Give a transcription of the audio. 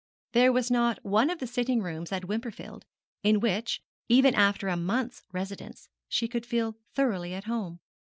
There was not one of the sitting rooms at Wimperfield in which, even after a month's residence, she could feel thoroughly at home.